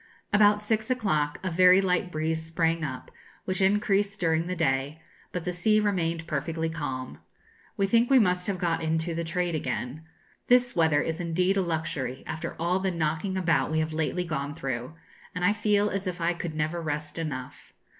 About six o'clock a very light breeze sprang up, which increased during the day; but the sea remained perfectly calm. We think we must have got into the trade again. This weather is indeed a luxury after all the knocking about we have lately gone through; and I feel as if I could never rest enough.